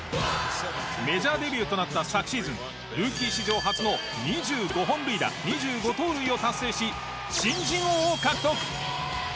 メジャーデビューとなった昨シーズンルーキー史上初の２５本塁打２５盗塁を達成し新人王を獲得。